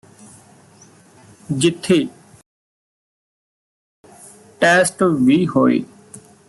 ਜਿਥੇ ਉਨ੍ਹਾਂ ਦੇ ਕੁਝ ਟੈਸਟ ਵੀ ਹੋਏ